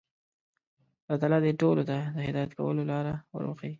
الله تعالی دې ټولو ته د هدایت کولو لاره ور وښيي.